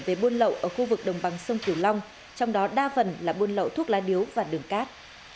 về buôn lậu ở khu vực đồng bằng sông kiều long trong đó đa phần là buôn lậu thuốc lá điếu và đường cát